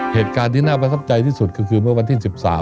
เหตุการณ์ที่น่าประทับใจที่สุดก็คือเมื่อวันที่๑๓